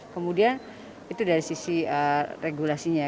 kemudian itu dari sisi regulasinya